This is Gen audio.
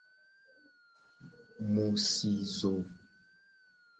Mu si zo.